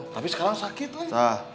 tapi sekarang sakit teh